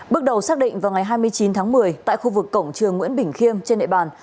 bước đầu xác định vào ngày hai mươi chín tháng một mươi tại khu vực cổng trường nguyễn bình khiêm trên nệ bàn